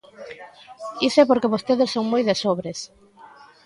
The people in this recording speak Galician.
Iso é porque vostedes son moi de sobres.